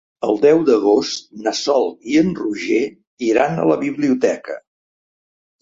El deu d'agost na Sol i en Roger iran a la biblioteca.